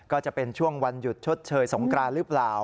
ก็จะเป็นช่วงวันหยุดชดเชยสงกรานหรือเปล่า